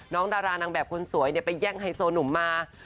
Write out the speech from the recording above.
ดารานางแบบคนสวยไปแย่งไฮโซหนุ่มมา